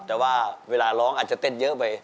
แต่ว่าเวลาร้องอาจจะเต้นเยอะไป